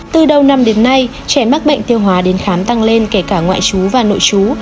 từ đầu năm đến nay trẻ mắc bệnh tiêu hóa đến khám tăng lên kể cả ngoại chú và nội chú